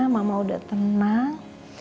mama udah tenang